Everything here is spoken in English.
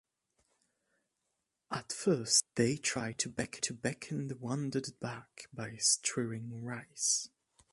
At first they try to beckon the wanderer back by strewing rice.